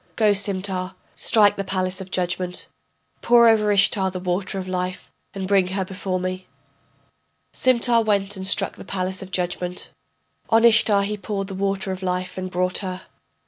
Go, Simtar, strike the palace of judgment, Pour over Ishtar the water of life, and bring her before me. Simtar went and struck the palace of judgment, On Ishtar he poured the water of life and brought her.